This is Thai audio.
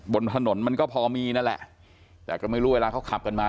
บนถนนมันก็พอมีนั่นแหละแต่ก็ไม่รู้เวลาเขาขับกันมา